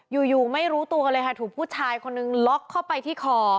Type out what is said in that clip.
อยู่อยู่ไม่รู้ตัวเลยค่ะถูกผู้ชายคนนึงล็อกเข้าไปที่คอ